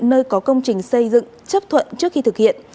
nơi có công trình xây dựng chấp thuận trước khi thực hiện